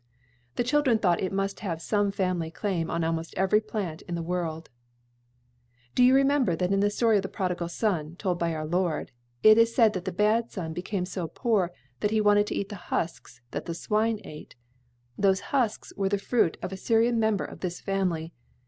The children thought that it must have some family claim on almost every plant in the world. [Illustration: CAROB TREE AND FRUIT.] "Do you remember that in the story of the Prodigal Son, told by our Lord, it is said that the bad son became so poor that he wanted to eat the 'husks' that the swine ate? Those 'husks' were the fruit of a Syrian member of this family.